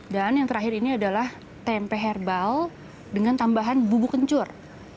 dan yang terakhir ini adalah tempe herbal dengan tambahan bubuk kencur